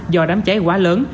do đám cháy quá lớn